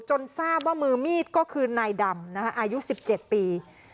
จนทราบว่ามือมีดก็คือนายดำนะคะอายุสิบเจ็ดปี